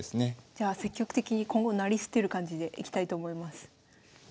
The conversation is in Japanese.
じゃあ積極的に今後成り捨てる感じでいきたいと思います。